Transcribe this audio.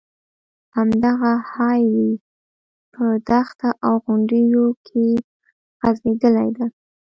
همدغه های وې په دښته او غونډیو کې غځېدلې ده.